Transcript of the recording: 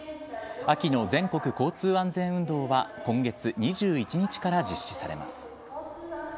秋の全国交通安全運動は今月２１日から実施されます。